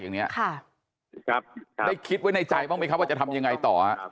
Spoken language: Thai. ได้คิดไว้ในใจหรือเปล่าที่จะทำอย่างไรต่อ